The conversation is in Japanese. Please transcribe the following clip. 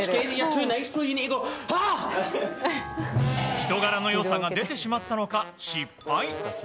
人柄の良さが出てしまったのか失敗。